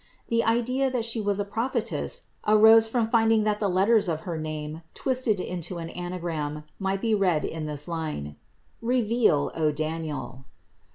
The idea that she was a prophetess arose from finding that the letters of her name, twisted into an anagram, miirht be read in this line ^— Revra/, O Daniel.